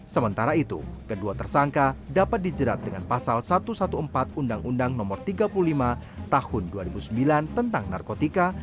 sementara itu kedua tersangka dapat dijerat dengan pasal satu ratus empat belas undang undang no tiga puluh lima tahun dua ribu sembilan tentang narkotika